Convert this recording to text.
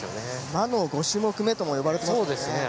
魔の５種目めともいわれていますよね。